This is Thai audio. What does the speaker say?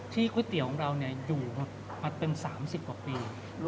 ก๋วยเตี๋ยวของเราอยู่มาเป็น๓๐กว่าปี